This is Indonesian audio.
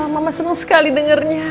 mama seneng sekali dengernya